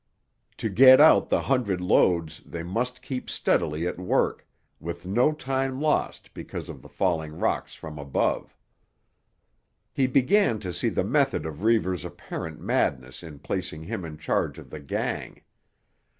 To get out the hundred loads they must keep steadily at work, with no time lost because of the falling rocks from above. He began to see the method of Reivers' apparent madness in placing him in charge of the gang.